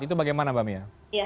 itu bagaimana mbak mia